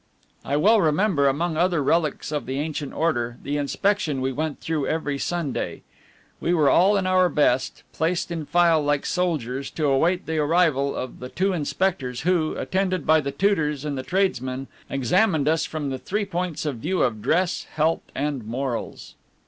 I well remember, among other relics of the ancient order, the inspection we went through every Sunday. We were all in our best, placed in file like soldiers to await the arrival of the two inspectors who, attended by the tutors and the tradesmen, examined us from the three points of view of dress, health, and morals.